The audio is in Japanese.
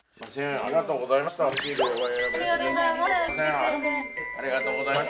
ありがとうございます。